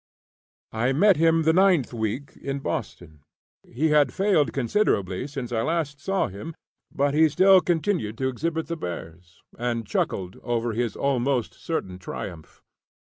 I met him the ninth week in Boston. He had failed considerably since I last saw him, but he still continued to exhibit the bears and chuckled over his almost certain triumph.